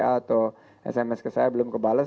atau sms ke saya belum kebales